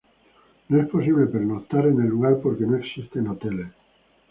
No es posible pernoctar en el lugar porque no existen hoteles.